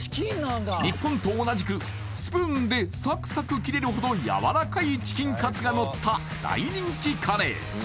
日本と同じくスプーンでサクサク切れるほどやわらかいチキンカツがのった大人気カレー